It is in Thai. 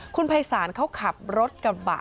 คุณภัยศาลเขาขับรถกระบะ